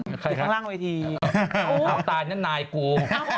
ใครครับอีกทางล่างวิธีโอ้โหตายแน่นายกู